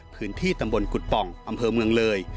พื้นที่ตำบลกุฎป่องอำเภอเมืองเลย